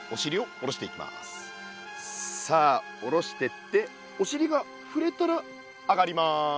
さあ下ろしてっておしりが触れたら上がります。